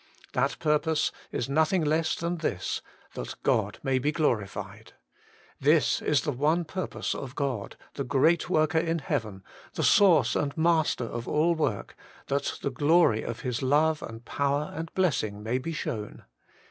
That purpose is nothing less than this : that God may be glorified. This is the one purpose of God, the great worker in heaven, the source and master of all work, that the glory of His love and power and blessing may be shown.